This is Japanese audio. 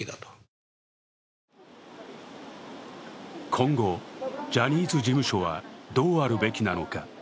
今後、ジャニーズ事務所はどうあるべきなのか。